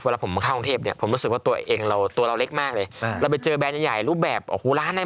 ถ้าเขาติดต่อคนไทยมาติดต่อหรือเขามาไหนกันตรงเลยครับ